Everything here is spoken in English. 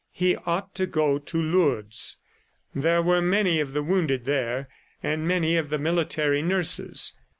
He ought to go to Lourdes; there were many of the wounded there and many of the military nurses.